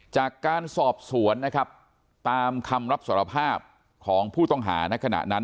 จากการสอบสวนนะครับตามคำรับสารภาพของผู้ต้องหาในขณะนั้น